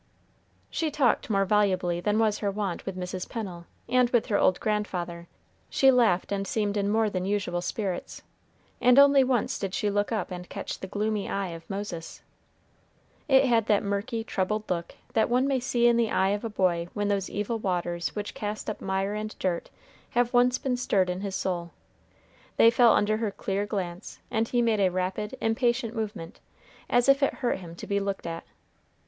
She talked more volubly than was her wont with Mrs. Pennel, and with her old grandfather; she laughed and seemed in more than usual spirits, and only once did she look up and catch the gloomy eye of Moses. It had that murky, troubled look that one may see in the eye of a boy when those evil waters which cast up mire and dirt have once been stirred in his soul. They fell under her clear glance, and he made a rapid, impatient movement, as if it hurt him to be looked at.